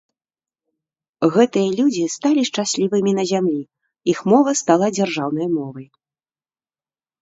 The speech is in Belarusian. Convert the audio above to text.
Гэтыя людзі сталі шчаслівымі на зямлі, іх мова стала дзяржаўнай мовай.